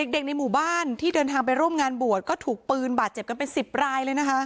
เด็กในหมู่บ้านที่เดินทางไปร่วมงานบวชก็ถูกปืนบาดเจ็บกันเป็น๑๐รายเลยนะคะ